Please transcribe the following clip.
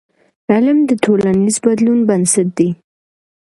علم د ټولنیز بدلون بنسټ دی.